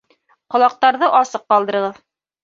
Ҡолаҡтарҙы асыҡ ҡалдырығыҙ